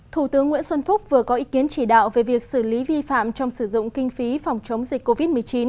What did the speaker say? thủ tướng nguyễn xuân phúc vừa có ý kiến chỉ đạo về việc xử lý vi phạm trong sử dụng kinh phí phòng chống dịch covid một mươi chín